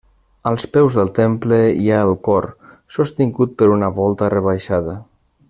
Als peus del temple hi ha el cor, sostingut per una volta rebaixada.